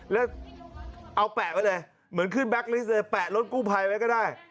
แล้วเอาแปะไว้เลยเหมือนขึ้นแบ็คลิสต์เลยแปะรถกู้ภัยไว้ก็ได้